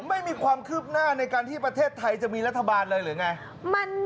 ไม่มีความคืบหน้าในการที่ประเทศไทยจะมีรัฐบาลเลยหรือไง